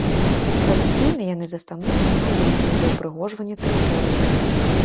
Традыцыйна яны застануцца ў маёнтку для ўпрыгожвання тэрыторыі.